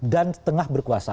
dan setengah berkuasa